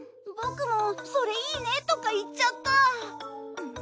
僕もそれいいねとか言っちゃった。